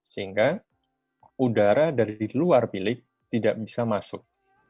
sehingga udara dari luar bilik tidak bisa masuk